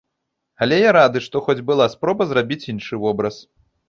Але я рады, што хоць была спроба зрабіць іншы вобраз.